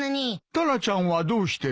タラちゃんはどうしてる？